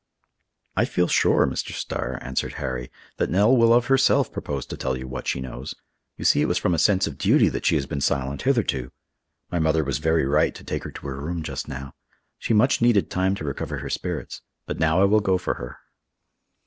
"I feel sure, Mr. Starr," answered Harry, "that Nell will of herself propose to tell you what she knows. You see it was from a sense of duty that she has been silent hitherto. My mother was very right to take her to her room just now. She much needed time to recover her spirits; but now I will go for her."